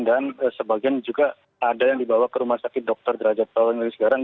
dan sebagian juga ada yang dibawa ke rumah sakit dr drajat tawangilis garang